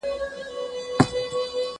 ايا ته کتابتون ته ځې،